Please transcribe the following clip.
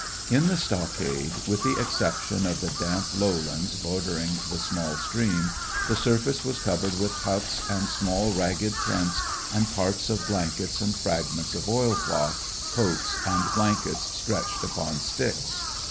In the stockade, with the exception of the damp lowlands border ing the small stream, the surface was covered with huts, and small ragged tents and parts of blankets and fragments of oil cloth, coats, and blankets stretched upon sticks.